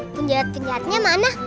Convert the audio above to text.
penjara penjara nya mana